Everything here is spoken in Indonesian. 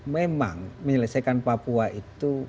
memang menyelesaikan papua itu